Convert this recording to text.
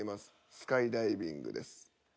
スカイダイビングです。